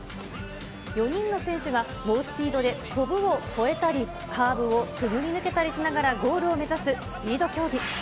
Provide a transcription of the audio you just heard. ４人の選手が猛スピードでこぶを越えたり、カーブをくぐり抜けたりしながらゴールを目指すスピード競技。